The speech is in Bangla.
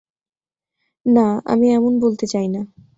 না আমি এমন বলতে চাই না।